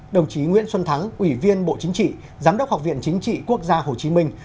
đồng chí nguyễn xuân thắng ủy viên bộ chính trị giám đốc học viện chính trị quốc gia hồ chí minh